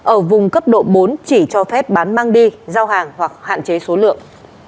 ở vùng cấp độ bốn chỉ cho phép bán mang đi giao hàng hoặc hạn chế số lượng